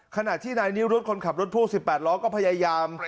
ขณะที่นายนิรุธคนขับรถพ่วง๑๘ล้อก็พยายาม